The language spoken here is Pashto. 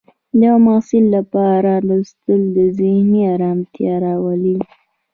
د محصل لپاره لوستل ذهني ارامتیا راولي.